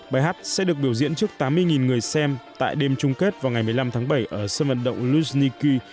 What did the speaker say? bài hát sẽ được biểu diễn trước tám mươi người xem tại đêm chung kết vào ngày một mươi năm tháng bảy ở sân vận động louis nikki